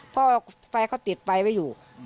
เพราะไฟเขาติดไฟไว้อยู่